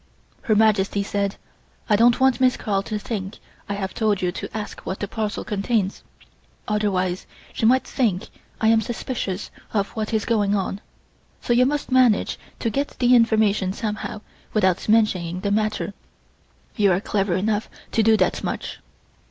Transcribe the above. Her Majesty said: "I don't want Miss Carl to think I have told you to ask what the parcel contains, otherwise she might think I am suspicious of what is going on, so you must manage to get the information somehow without mentioning the matter; you are clever enough to do that much."